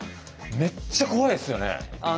めっちゃ怖いですよね。